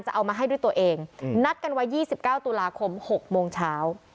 เอามาให้ด้วยตัวเองนัดกันไว้๒๙ตุลาคม๖โมงเช้า